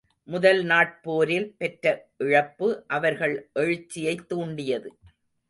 முதல் நாட் போரில் பெற்ற இழப்பு அவர்கள் எழுச்சியைத் தூண்டியது.